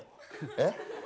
えっ？